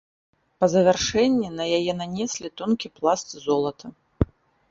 Па завяршэнні на яе нанеслі тонкі пласт золата.